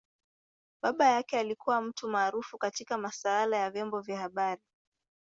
Baba yake alikua mtu maarufu katika masaala ya vyombo vya habari.